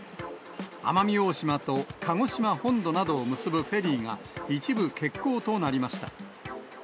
奄美大島と鹿児島本土などを結ぶフェリーが、一部欠航となりました。